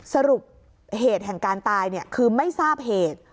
สรุปเหตุแห่งการตายคือไม่ทราบเหตุ